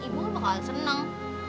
ibu kan bakal seneng